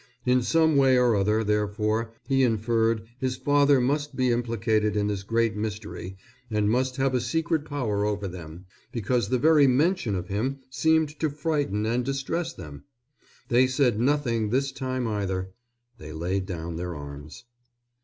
In some way or other, therefore, he inferred, his father must be implicated in this great mystery and must have a secret power over them, because the very mention of him seemed to frighten and distress them. They said nothing this time either. They laid down their arms.